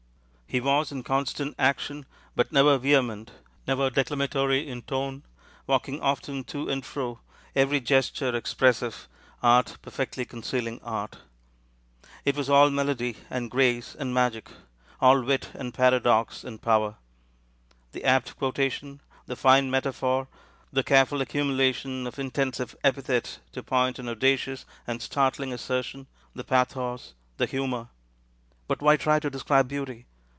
He was in constant action, but never vehement, never declamatory in tone, walking often to and fro, every gesture expressive, art perfectly concealing art. It was all melody and grace and magic, all wit and paradox and power. The apt quotation, the fine metaphor, the careful accumulation of intensive epithet to point an audacious and startling assertion, the pathos, the humor. But why try to describe beauty?